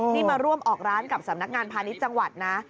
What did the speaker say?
นี่มาร่วมออกร้านกับสำนักงานพาณิชย์จังหวัดนะ